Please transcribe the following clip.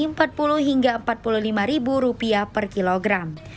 sehingga empat puluh lima rupiah per kilogram